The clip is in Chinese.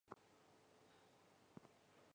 酮糖经反应得到少两个碳的糖。